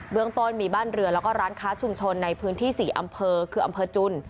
เรื่องต้นมีบ้านเรือแล้วก็ร้านค้าชุมชนในพื้นที่๔อำเภอคืออำเภอจุน